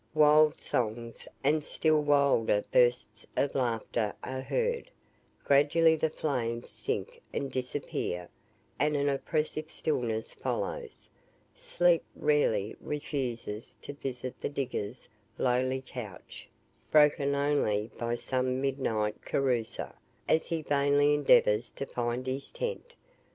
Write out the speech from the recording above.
Wild songs, and still wilder bursts of laughter are heard; gradually the flames sink and disappear, and an oppressive stillness follows (sleep rarely refuses to visit the diggers' lowly couch), broken only by some midnight carouser, as he vainly endeavours to find his tent.